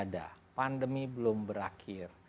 ada pandemi belum berakhir